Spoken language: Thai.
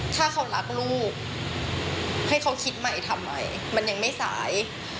ถ้าเขารักลูกให้เขาคิดใหม่ทำไมมันยังไม่สาย